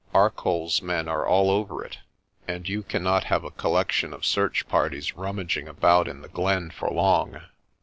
Arcoll's men are all over it and you cannot have a collection of search parties rummaging about in the glen for long.